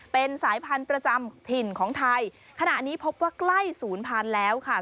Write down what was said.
เป็นสายพันธุ์ประจำถิ่นของไทยขณะนี้พบว่าใกล้ศูนย์พันธุ์แล้วค่ะ